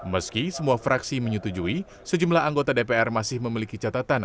meski semua fraksi menyetujui sejumlah anggota dpr masih memiliki catatan